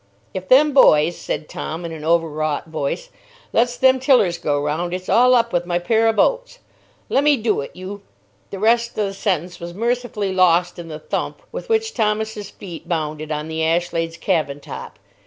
"If them boys," said Tom Blake in an overwrought voice, "lets them tillers go round, it's all up with my pair o' boats. Lemme do it, you——" The rest of the sentence was mercifully lost in the thump with which Thomas's feet bounded on the Ashlade's cabin top.